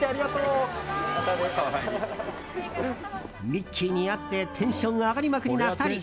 ミッキーに会ってテンション上がりまくりな２人。